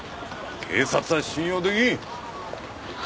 警察は信用出来ん。